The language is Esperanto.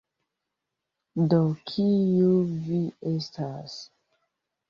Do kiu vi estas?